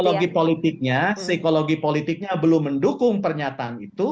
jadi psikologi politiknya belum mendukung pernyataan itu